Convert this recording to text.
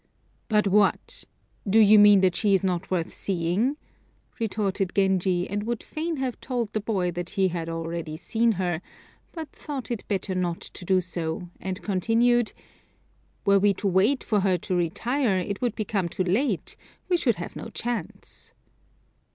"But what? Do you mean that she is not worth seeing?" retorted Genji; and would fain have told the boy that he had already seen her, but thought it better not to do so, and continued: "Were we to wait for her to retire, it would become too late; we should have no chance."